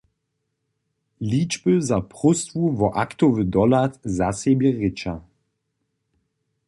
Ličby za próstwu wo aktowy dohlad za sebje rěča.